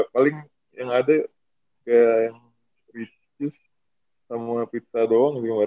paling yang ada kayak yang reese s sama pizza doang di luar itu